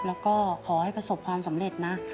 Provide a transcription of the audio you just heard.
แล้วก็ขอให้ประสบความสำเร็จนะ